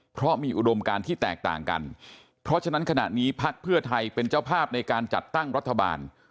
เพราะมีอุดมการที่แตกต่างกันเพราะฉะนั้นขณะนี้พักเพื่อไทยเป็นเจ้าภาพในการจัดตั้งรัฐบาล